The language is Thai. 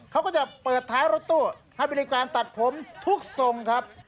เขาก็จะเปิดท้ายรถตู้ให้บริการตัดผมทุกทรงครับ